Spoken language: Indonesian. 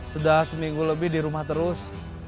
sudah seminggu lebih di rumah terus